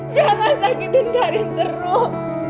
jangan sakitin karin teruk